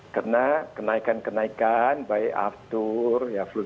karena kenaikan kenaikan baik after fluiden